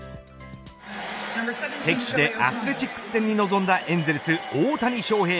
敵地でアスレチックス戦に臨んだエンゼルス大谷翔平。